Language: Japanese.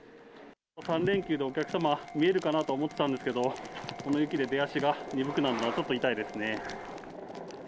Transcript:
３連休でお客様、見えるかなと思ったんですけど、この雪で出足が鈍くなるのは、ちょっと痛いですね。